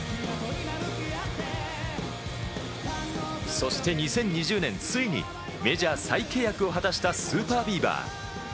そして２０２０年、ついにメジャー再契約を果たしたＳＵＰＥＲＢＥＡＶＥＲ。